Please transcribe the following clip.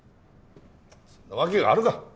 そんなわけがあるか